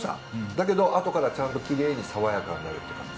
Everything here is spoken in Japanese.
だけどあとからちゃんときれいに爽やかになるって感じ？